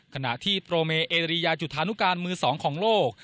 ขณะที่โปรเมเอเรียจุธานุการมือสองของโลก